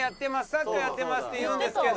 「サッカーやってます」って言うんですけど。